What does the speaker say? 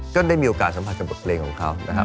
ก็ได้มีโอกาสสัมผัสกับบทเพลงของเขานะครับ